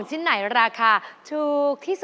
เอออะไรพี่